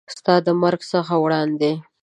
ستا د مرګ څخه وړاندې